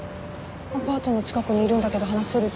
アパートの近くにいるんだけど話せる？